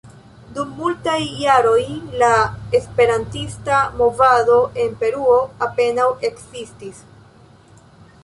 Dum multaj jaroj la esperantista movado en Peruo apenaŭ ekzistis.